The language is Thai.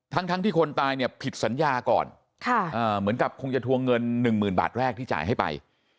ทั้งที่คนตายเนี่ยผิดสัญญาก่อนเหมือนกับคงจะทวงเงิน๑๐๐๐บาทแรกที่จ่ายให้ไป